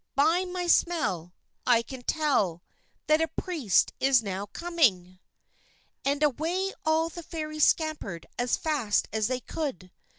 By my smell I can tell That a Priest is now coming!_" And away all the Fairies scampered as fast as they could.